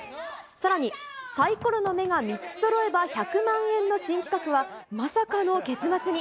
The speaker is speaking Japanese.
さらに、さいころの目が３つそろえば１００万円の新企画は、まさかの結末に。